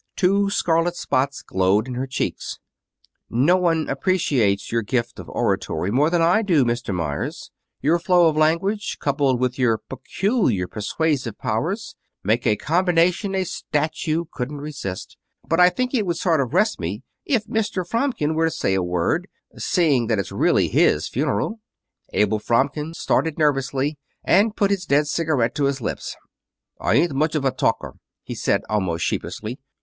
Two scarlet spots glowed in her cheeks. "No one appreciates your gift of oratory more than I do, Mr. Meyers. Your flow of language, coupled with your peculiar persuasive powers, make a combination a statue couldn't resist. But I think it would sort of rest me if Mr. Fromkin were to say a word, seeing that it's really his funeral." Abel Fromkin started nervously, and put his dead cigarette to his lips. "I ain't much of a talker," he said, almost sheepishly.